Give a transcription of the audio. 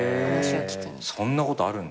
そんなことあるんだ。